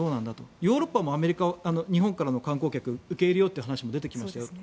ヨーロッパもアメリカも日本からの観光客を受け入れようという話も出てきましたよ。